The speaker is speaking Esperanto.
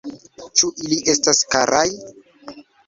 Ĉu ili estas karaj?